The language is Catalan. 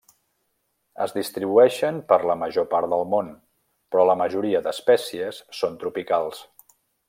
Es distribueixen per la major part del món, però la majoria d'espècies són tropicals.